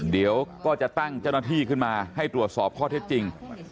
เดี๋ยวก็จะตั้งเจ้าหน้าที่ขึ้นมาให้ตรวจสอบข้อเท็จจริง